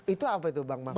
itu apa itu bang